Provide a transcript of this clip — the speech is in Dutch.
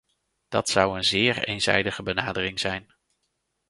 Dat zou een zeer eenzijdige benadering zijn.